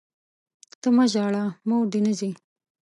ته مه ژاړه ، موردي نه ځي!